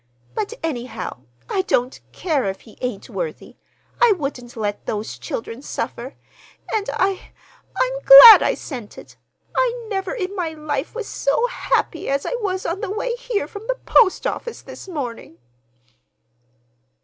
But, anyhow, I don't care if he ain't worthy. I wouldn't let those children suffer; and I—I'm glad I sent it. I never in my life was so happy as I was on the way here from the post office this morning."